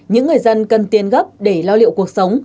những người dân cần tiền gấp để lo liệu cuộc sống